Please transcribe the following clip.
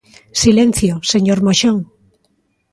Silencio, señor Moxón.